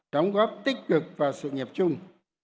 đóng góp tích cực và sự nghiệp chung